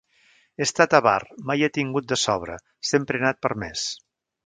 He estat avar, mai he tingut de sobra, sempre he anat per més.